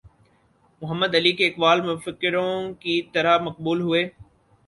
محمد علی کے اقوال مفکروں کی طرح مقبول ہوئے